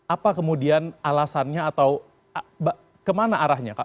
apa kemudian alasannya atau kemana arahnya